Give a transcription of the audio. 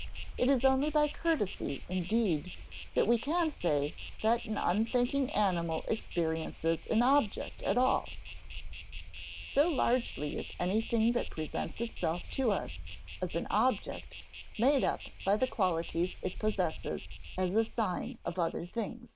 It is only by courtesy, indeed, that we can say that an unthinking animal experiences an object at all so largely is anything that presents itself to us as an object made up by the qualities it possesses as a sign of other things.